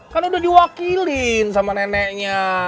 kan udah diwakilin sama neneknya